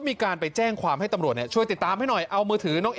มีการไปแจ้งความให้ตำรวจช่วยติดตามให้หน่อยเอามือถือน้องเอ